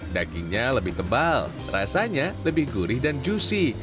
dagingnya lebih tebal rasanya lebih gurih dan juicy